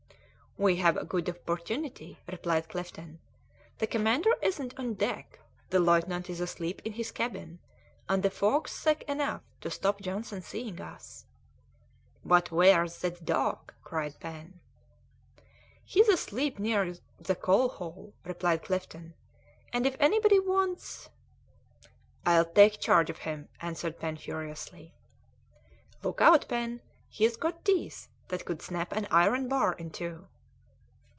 "We've a good opportunity," replied Clifton; "the commander isn't on deck, the lieutenant is asleep in his cabin, and the fog's thick enough to stop Johnson seeing us." "But where's the dog?" cried Pen. "He's asleep near the coalhole," replied Clifton, "and if anybody wants " "I'll take charge of him," answered Pen furiously. "Look out, Pen, he's got teeth that could snap an iron bar in two."